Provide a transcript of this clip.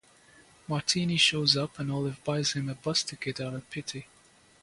Martini shows up, and Olive buys him a bus ticket out of pity.